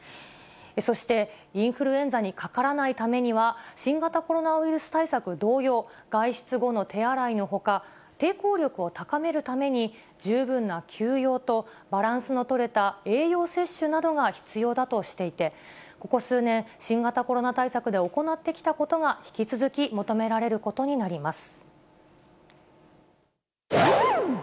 そして、インフルエンザにかからないためには、新型コロナウイルス対策同様、外出後の手洗いのほか、抵抗力を高めるために、十分な休養とバランスの取れた栄養摂取などが必要だとしていて、ここ数年、新型コロナ対策で行ってきたことが引き続き求められることになります。